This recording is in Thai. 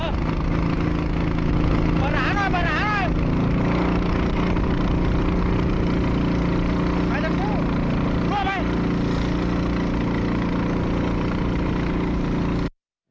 มาหนาหน่อย